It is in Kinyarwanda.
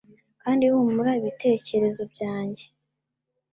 Kandi humura ibitekerezo byanjye,